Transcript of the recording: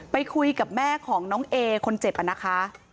ไปคุยกับแม่ของน้องเอคนเจ็บนะคะ